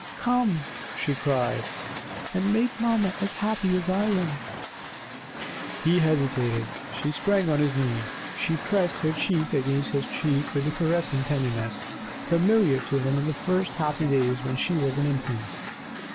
"Come," she cried, "and make mamma as happy as I am!" He hesitated. She sprang on his knee; she pressed her cheek against his cheek with the caressing tenderness, familiar to him in the first happy days when she was an infant.